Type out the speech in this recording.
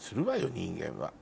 人間は。